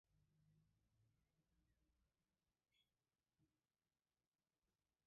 Поро пӱртӱс йомакеш тыге йомын, Чот куанен, ныжыл вальсым кушта.